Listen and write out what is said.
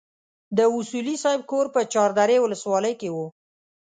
د اصولي صیب کور په چار درې ولسوالۍ کې وو.